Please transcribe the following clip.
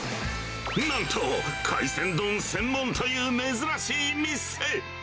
なんと、海鮮丼専門という珍しい店。